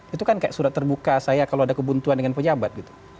itu kan seperti surat terbuka saya kalau ada kebutuhan dengan pejabat